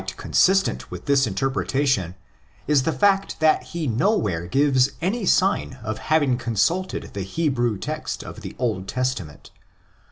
185 consistent with this interpretation is the fact that he nowhere gives any sign of having consulted the Hebrew text of the Old Testament.